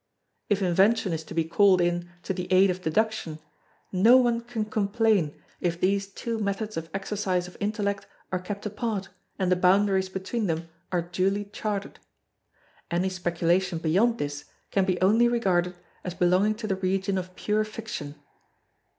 If invention is to be called in to the aid of deduction no one can complain if these two methods of exercise of intellect are kept apart and the boundaries between them are duly charted. Any speculation beyond this can be only regarded as belonging to the region of pure fiction.